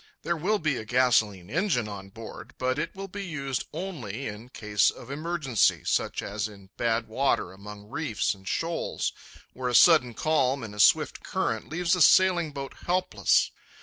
There will be a gasolene engine on board, but it will be used only in case of emergency, such as in bad water among reefs and shoals, where a sudden calm in a swift current leaves a sailing boat helpless.